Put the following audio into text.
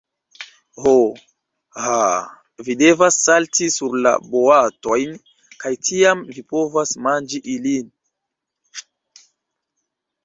Ho. Haaaa, vi devas salti sur la boatojn, kaj tiam vi povas manĝi ilin.